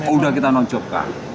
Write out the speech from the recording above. udah kita nonjok kan